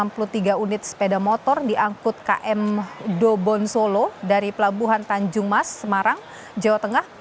enam ratus lima orang dan enam ratus enam puluh tiga unit sepeda motor diangkut km dobon solo dari pelabuhan tanjung mas semarang jawa tengah